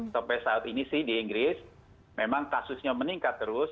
sampai saat ini sih di inggris memang kasusnya meningkat terus